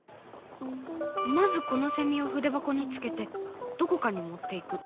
まずこのセミを筆箱につけてどこかに持っていく。